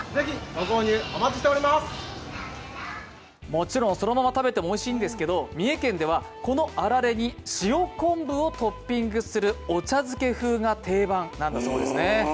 もちろんそのまま食べてもおいしいんですけれども、三重県では、このあられに塩昆布をトッピングするお茶漬け風が定番なんだそうですね。